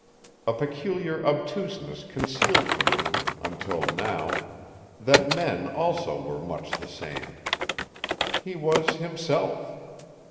A peculiar obtuseness concealed from him, until now, that men also were much the same. He was, himself.